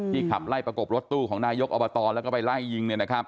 ขับไล่ประกบรถตู้ของนายกอบตแล้วก็ไปไล่ยิง